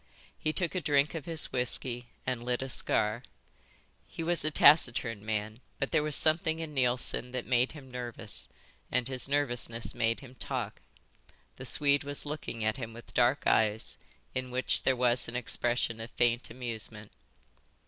He took a drink of his whisky and lit a cigar. He was a taciturn man, but there was something in Neilson that made him nervous, and his nervousness made him talk. The Swede was looking at him with large dark eyes in which there was an expression of faint amusement.